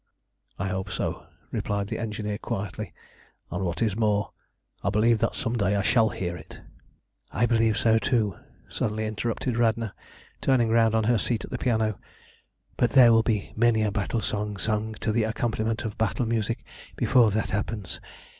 "I hope so," replied the engineer quietly, "and, what is more, I believe that some day I shall hear it." "I believe so too," suddenly interrupted Radna, turning round on her seat at the piano, "but there will be many a battle song sung to the accompaniment of battle music before that happens.